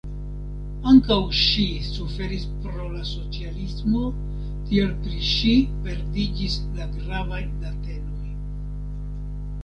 Ankaŭ ŝi suferis pro la socialismo, tial pri ŝi perdiĝis la gravaj datenoj.